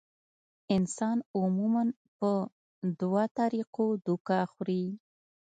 انسان عموماً پۀ دوه طريقو دوکه خوري -